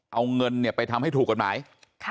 เอาเงินไปทำให้ถูกกันไหม